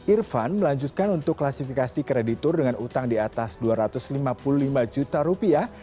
irfan melanjutkan untuk klasifikasi kreditur dengan utang di atas dua ratus lima puluh lima juta rupiah